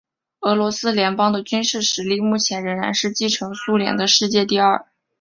俄罗斯联邦的军事实力目前仍然是继承苏联的世界第二。